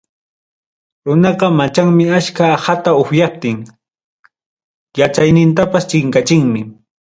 Runaqa machanmi achka aqata upyaptin, yachaynintapas chinkachinmanmi.